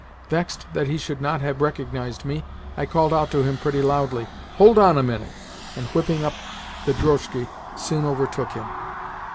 Vexed that he should not have recognised me, I called out to him pretty loudly, "Hold on a minute!" and, whipping up the drozhki, soon overtook him.